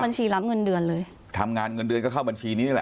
รับเงินเดือนเลยทำงานเงินเดือนก็เข้าบัญชีนี้นี่แหละ